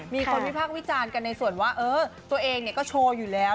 มีคนวิพากษ์วิจารณ์กันในส่วนว่าตัวเองก็โชว์อยู่แล้ว